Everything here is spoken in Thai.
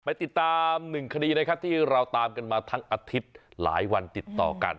ไปติดตามหนึ่งคดีนะครับที่เราตามกันมาทั้งอาทิตย์หลายวันติดต่อกัน